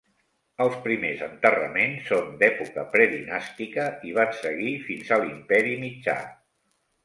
Els primers enterraments són d'època predinàstica i van seguir fins a l'Imperi mitjà.